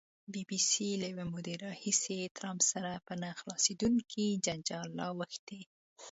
بي بي سي له یوې مودې راهیسې ټرمپ سره په نه خلاصېدونکي جنجال اوښتې.